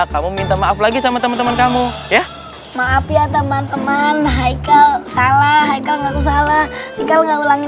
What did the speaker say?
kamu minta maaf lagi sama teman teman kamu ya maaf ya teman teman hai ke salah salah